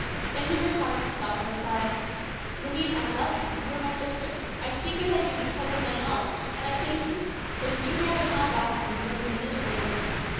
Then he recovered himself and replied :" Louise, I love you. You are my sister. I speak as I do because of my knowledge, and I say to you that if you marry Hal Vasplaine you will be a miserable woman.